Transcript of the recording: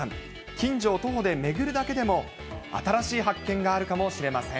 近所を徒歩で巡るだけでも、新しい発見があるかもしれません。